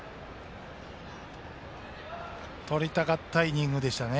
とりたかったイニングでしたね。